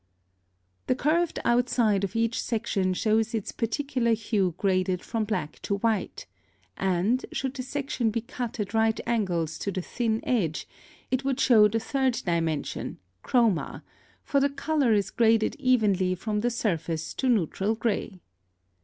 The curved outside of each section shows its particular hue graded from black to white; and, should the section be cut at right angles to the thin edge, it would show the third dimension, chroma, for the color is graded evenly from the surface to neutral gray.